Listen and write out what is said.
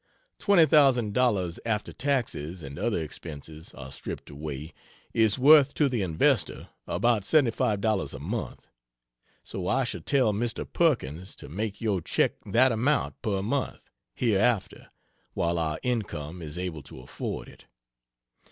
Twenty thousand dollars, after taxes and other expenses are stripped away, is worth to the investor about $75 a month so I shall tell Mr. Perkins to make your check that amount per month, hereafter, while our income is able to afford it.